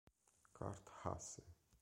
Kurt Hasse